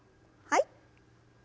はい。